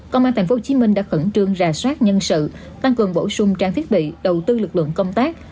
công an tp hcm đã khẩn trương rà soát nhân sự tăng cường bổ sung trang thiết bị đầu tư lực lượng công tác